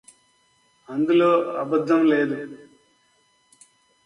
అందులో అబద్ధము లేదు